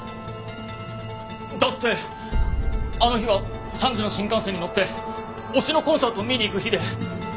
だってあの日は３時の新幹線に乗って推しのコンサートを見に行く日で。